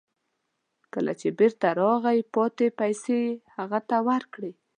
کله چې بیرته راغی، پاتې پیسې مې هغه ته ورکړې.